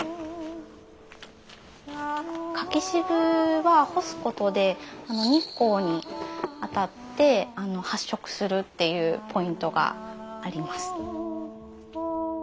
柿渋は干すことで日光に当たって発色するっていうポイントがあります。